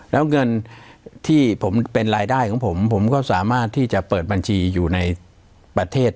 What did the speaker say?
แล้วเงินที่ผมเป็นรายได้ของผมผมก็สามารถที่จะเปิดบัญชีอยู่ในประเทศ